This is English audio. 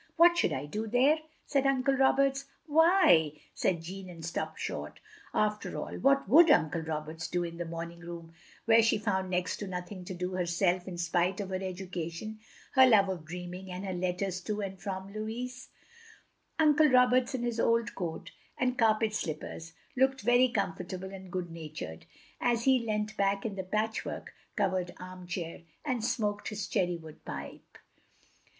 "What should I do there?" said Uncle Roberts. "Why —" said Jeanne, and stopped short. After all, what would Uncle Roberts do in the morning room where she found next to nothing to do herself, in spite of her education, her love of dreaming, and her letters to and from Louis? Uncle Roberts in his old coat, and carpet slippers, looked very comfortable and good na tured, as he leant back in the patchwork covered arm chair, and smoked his cherry wood pipe.